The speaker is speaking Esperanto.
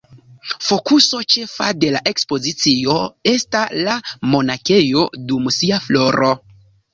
Fokuso ĉefa de la ekspozicio esta la monakejo dum sia floro.